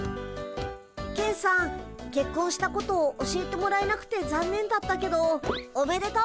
ケンさんけっこんしたこと教えてもらえなくてざんねんだったけどおめでとう。